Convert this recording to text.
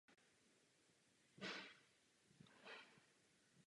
To je pozitivní diskriminace.